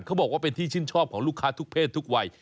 เขาบอกว่าเป็นที่ชื่นชอบของลูกค้าทุกเพศทุกวัย